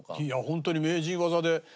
いや本当に名人技で。